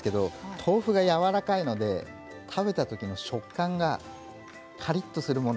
豆腐がやわらかいので食べたときの食感にカリっとするもの